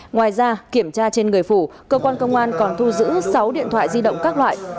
ngoài ra kiểm tra trên người phụ cơ quan công an còn thu giữ sáu điện thoại di động các loại